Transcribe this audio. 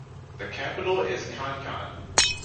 The capital is Kankan.